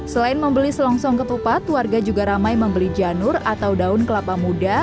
selain membeli selongsong ketupat warga juga ramai membeli janur atau daun kelapa muda